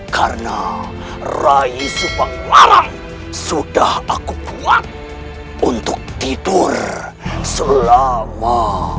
karena rai subangwarang sudah aku kuat untuk tidur selama